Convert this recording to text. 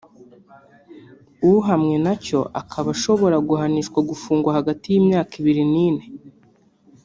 uhamwe nacyo akaba aba ashobora guhanishwa gufungwa hagati y’imyaka ibiri n’ine